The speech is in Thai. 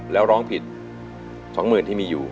ต้องผิดสองหมื่นที่มีอยู่